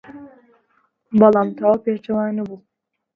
بەڵام تەواو پێچەوانە بوو.